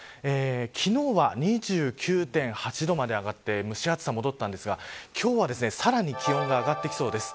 昨日は２９．８度まで上がって蒸し暑さが戻ったんですが今日は、さらに気温が上がってきそうです。